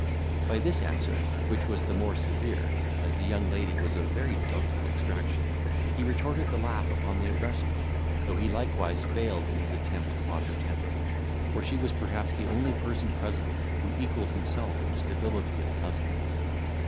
By this answer, which was the more severe, as the young lady was of very doubtful extraction, he retorted the laugh upon the aggressor, though he likewise failed in his attempt upon her temper; for she was perhaps the only person present who equalled himself in stability of countenance.